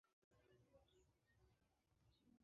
ndetse ikaba ari na yo izindi zose